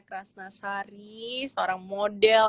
krasnashari seorang model